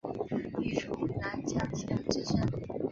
历署南江县知县。